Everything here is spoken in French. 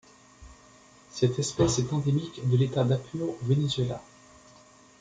Cette espèce est endémique de l'État d'Apure au Venezuela.